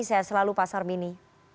saya selalu pak sarbini